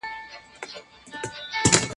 زه اوس د سبا لپاره د سوالونو جواب ورکوم!!